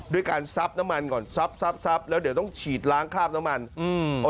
ด้วยการซับน้ำมันก่อนซับซับซับแล้วเดี๋ยวต้องฉีดล้างคราบน้ำมันอืม